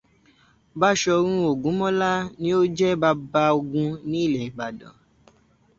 Bashọ̀run Ògúnmọ́lá ni ó jẹ́ baba ogun ní ilẹ̀ ìbàdàn.